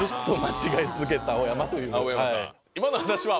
今の話は。